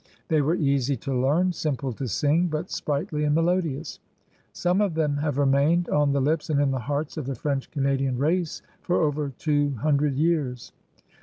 They were easy to learn, simple to sing, but sprightly and melodious. Some of them have remained on the lips and in the hearts of the French Canadian race for over two himdred years.